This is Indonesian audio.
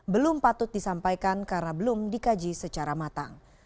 belum patut disampaikan karena belum dikaji secara matang